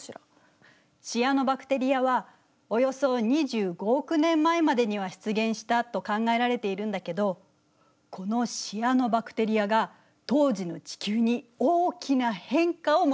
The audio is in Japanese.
シアノバクテリアはおよそ２５億年前までには出現したと考えられているんだけどこのシアノバクテリアが当時の地球に大きな変化をもたらすのよ。